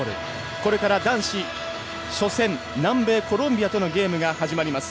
これから男子初戦南米コロンビアとのゲームが始まります。